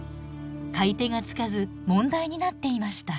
買い手がつかず問題になっていました。